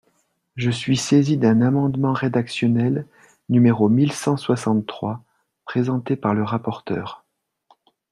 Je suis saisi d’un amendement rédactionnel, numéro mille cent soixante-trois, présenté par le rapporteur.